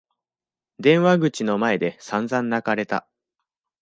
電話口の前で散々泣かれた。